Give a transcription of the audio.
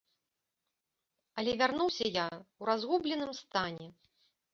Але вярнуўся я ў разгубленым стане.